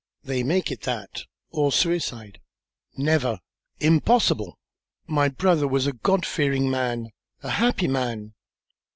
"They make it that, or suicide." "Never! Impossible! My brother was a God fearing man, a happy man."